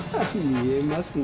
見えますね。